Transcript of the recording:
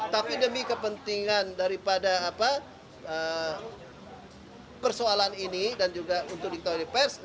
tapi demi kepentingan daripada persoalan ini dan juga untuk diketahui pers